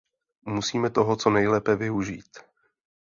Musíme toho co nejlépe využít.